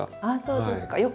あっそうですか。